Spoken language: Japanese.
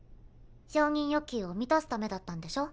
承認欲求を満たすためだったんでしょ。